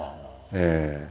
ええ。